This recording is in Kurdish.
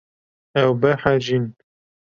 Ew behecîn.